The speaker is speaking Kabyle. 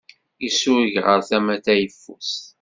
Isureg ɣer tama tayeffust.